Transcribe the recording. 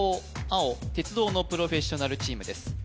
青鉄道のプロフェッショナルチームです